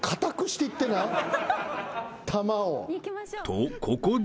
［とここで］